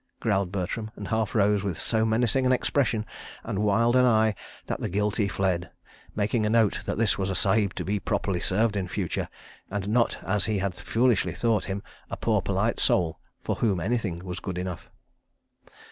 growled Bertram, and half rose, with so menacing an expression and wild an eye that the guilty fled, making a note that this was a Sahib to be properly served in future, and not, as he had foolishly thought him, a poor polite soul for whom anything was good enough.